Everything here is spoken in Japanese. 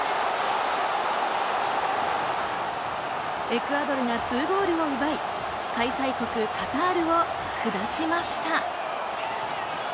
エクアドルが２ゴールを奪い、開催国カタールを下しました。